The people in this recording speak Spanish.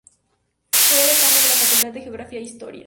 Fue decano de la Facultad de Geografía e Historia.